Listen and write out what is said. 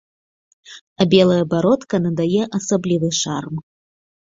А белая бародка надае асаблівы шарм.